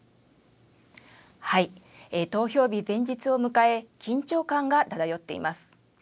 投票日前日を迎え緊張感が漂っています。